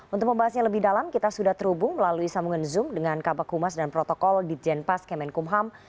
untuk membahasnya lebih dalam kita sudah terhubung melalui sambungan zoom dengan kabupaten kumas dan protokol di jenpas kemenkumham